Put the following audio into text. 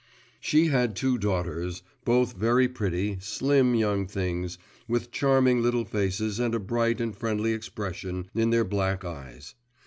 She had two daughters, both very pretty, slim young things, with charming little faces and a bright and friendly expression in their black eyes.